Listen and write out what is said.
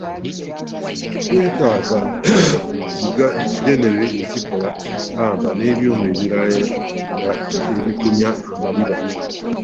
Twetaaga zi Generi ezikola pamba n'ebyuma ebirala nga ebikunya amaliba.